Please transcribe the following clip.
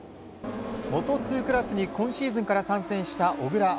Ｍｏｔｏ２クラスに今シーズンから参戦した小椋藍。